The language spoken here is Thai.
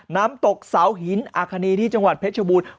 น้ำตกเสาหินอาคณีที่จังหวัดเพชรบูรณ์